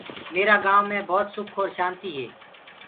ميرآ گائونٚ مي ڀوت سُک اور شآنتي هي۔